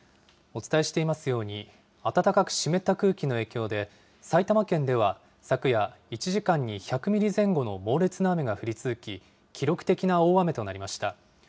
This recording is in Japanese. お伝えしていますように、暖かく湿った空気の影響で、埼玉県では昨夜、１時間に１００ミリ前後の猛烈な雨が降り続き、記録的な大雨となりました。